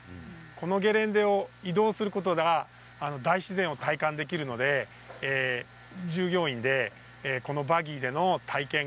このゲレンデを移動することは大自然を体感できるので従業員で、このバギーでの体験